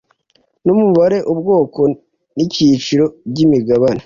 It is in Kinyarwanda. n umubare ubwoko n icyiciro by imigabane